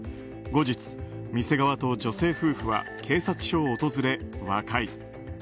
後日、店側と女性夫婦は警察署を訪れ和解。